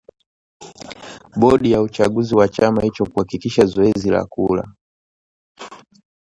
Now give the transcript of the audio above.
bodi ya uchaguzi wa chama hicho kuhakikisha zoezi la kura